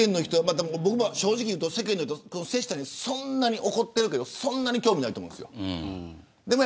僕も正直言うと世間の人、瀬下に怒ってるけど瀬下に、そんなに興味ないと思うんですよ。